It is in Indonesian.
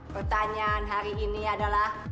pertanyaan hari ini adalah